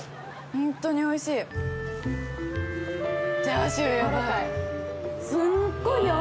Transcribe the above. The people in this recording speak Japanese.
ホントにおいしい。